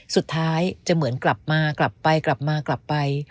สุดท้ายจะเหมือนกลับมากลับไปกลับมากลับไป